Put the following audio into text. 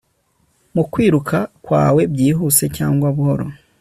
mu kwiruka kwawe, byihuse cyangwa buhoro